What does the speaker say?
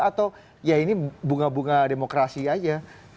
atau ya ini bunga bunga demokrasi aja